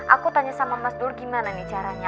aku tanya sama mas dur gimana nih caranya